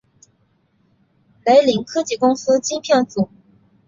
雷凌科技公司晶片组。